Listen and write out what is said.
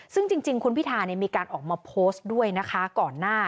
ซึ่งจริงคุณพิธามีการออกมาโพสต์ด้วยนะคะก่อนหน้า